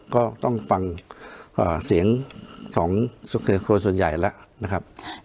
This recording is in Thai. ก็ต้องฟังเสียงของครัวส่วนใหญ่แล้วนะครับ